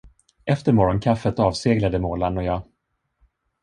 Efter morgonkaffet avseglade målarn och jag.